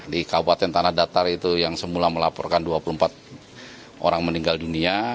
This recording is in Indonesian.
di kabupaten tanah datar itu yang semula melaporkan dua puluh empat orang meninggal dunia